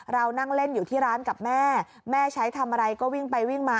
เรานั่งเล่นอยู่ที่ร้านกับแม่แม่ใช้ทำอะไรก็วิ่งไปวิ่งมา